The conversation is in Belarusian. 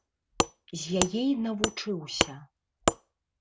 З яе і навучыўся.